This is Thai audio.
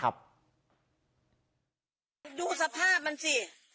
ดูสภาพมันสิ